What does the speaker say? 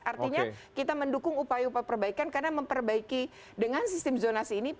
artinya kita mendukung upaya upaya perbaikan karena memperbaiki dengan sistem zonasi ini